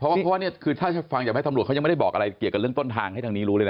เพราะว่านี่คือถ้าฟังจากแม่ตำรวจเขายังไม่ได้บอกอะไรเกี่ยวกับเรื่องต้นทางให้ทางนี้รู้เลยนะ